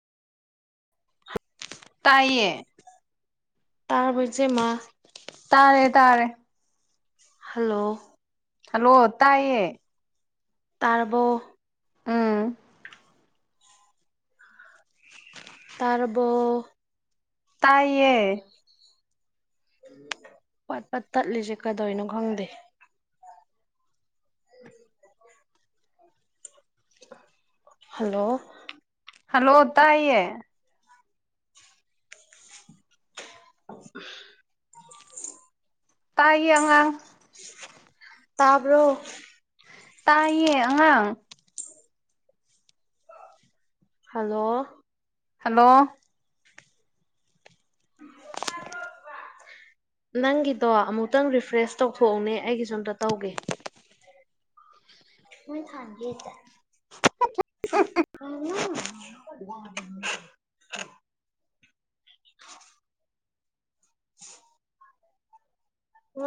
ꯇꯥꯏꯌꯦ ꯇꯥꯔꯕ‌ꯧ ꯏꯆ‌ꯦ ꯃꯥ ꯇꯥꯔꯦ ꯇꯥꯔꯦ ꯍꯜꯂꯣ ꯍꯜꯂꯣ ꯇꯥꯏꯌꯦ ꯇꯥꯔꯕꯣ ꯎꯝ ꯇꯔꯕꯣ ꯇꯥꯏꯌꯦ ꯄꯠ ꯄꯠ ꯇꯠꯂꯤꯁꯦ ꯀꯩꯗꯣꯏꯅꯣ ꯈꯪꯗꯦ ꯎ [inaudible] ꯍꯜꯂꯣ ꯍꯜꯂꯣ ꯇꯥꯏꯌ‌ꯦ ꯇꯥꯏꯌꯦ ꯑꯉꯥꯡ [unintelligible] ꯇꯥꯕꯔꯣ ꯇꯥꯏꯌꯦ ꯑꯉꯥꯡ ꯍꯜꯂꯣ ꯍꯜꯂꯣ ꯅꯪꯒꯤꯗꯣ ꯑꯃꯨꯛꯇꯪ ꯔꯤꯐ꯭ꯔꯦꯁ ꯇꯧꯊꯣꯛꯎꯅꯦ ꯑꯩꯒꯤꯖꯨ ꯑꯝꯇ ꯇꯧꯒꯦ ꯍꯣꯏ ꯈꯥꯟꯒꯦꯇ [unintelligible] [unintelligible] [inaudible] [unintelligible]